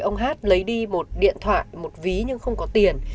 ông hát lấy đi một điện thoại một ví nhưng không có tiền